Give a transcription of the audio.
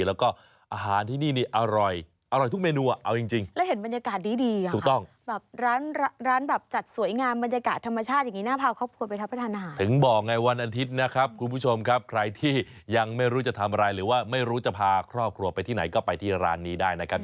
เอาละช่วงหน้าจะพาคุณผู้ชมไปอิ่มน้ำสำรรารกันต่อนะคะ